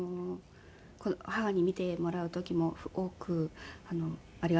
母に見てもらう時も多くありがたいなと思っています。